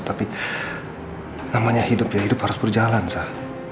tapi namanya hidup hidup harus berjalan sah